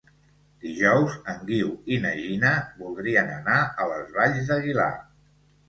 Dijous en Guiu i na Gina voldrien anar a les Valls d'Aguilar.